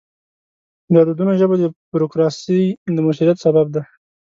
د عددونو ژبه د بروکراسي د موثریت سبب ده.